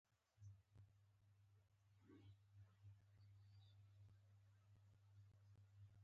زه د پیترا لیدلو ته ډېر تلوسمن وم.